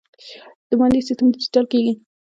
د مالیې سیستم ډیجیټل کیږي